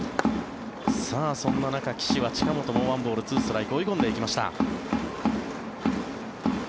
そんな中、岸は近本を１ボール２ストライク追い込んでいきました。